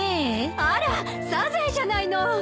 ・あらサザエじゃないの。